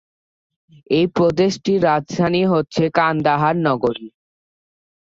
এই প্রদেশটির রাজধানী হচ্ছে কান্দাহার নগরী।